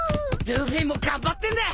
ルフィも頑張ってんだ。